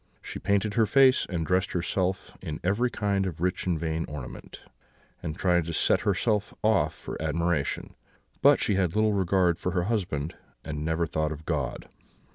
She painted her face, and dressed herself in every kind of rich and vain ornament, and tried to set herself off for admiration; but she had little regard for her husband, and never thought of God.